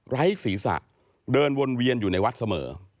ไร้ศีรษะเดินวนเวียนอยู่ในวัดเสมอ